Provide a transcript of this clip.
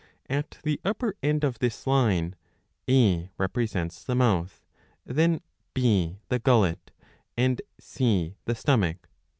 At the upper end of this line, A represents the mouth, then B the gullet, and C the stomach.